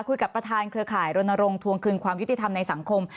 คุยกับประธานเครือข่ายรณรงค์ทวงคืนความยุติธรรมในสังคม